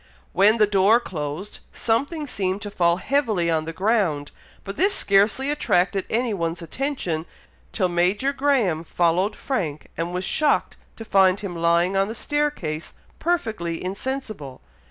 When the door closed, something seemed to fall heavily on the ground, but this scarcely attracted any one's attention, till Major Graham followed Frank, and was shocked to find him lying on the staircase perfectly insensible.